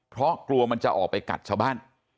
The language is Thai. เพราะกลัวมันจะออกไปกัดชาวบ้าน